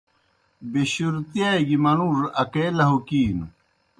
بیشُورتِیا گیْ منُوڙوْ اکےلہُوکِینوْ۔